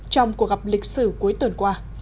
trong cuộc gặp lịch sử cuối tuần qua